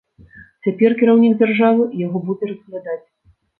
Цяпер кіраўнік дзяржавы яго будзе разглядаць.